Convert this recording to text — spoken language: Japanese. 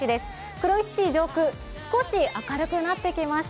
黒石市上空、少し明るくなってきました。